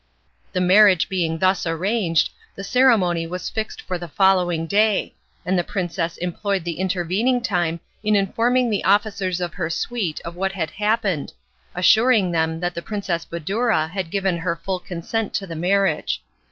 The marriage being thus arranged, the ceremony was fixed for the following day, and the princess employed the intervening time in informing the officers of her suite of what had happened, assuring them that the Princess Badoura had given her full consent to the marriage.